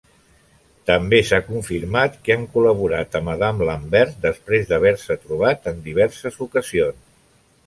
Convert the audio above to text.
També s'ha confirmat que han col·laborat amb Adam Lambert després d'haver-se trobat en diverses ocasions.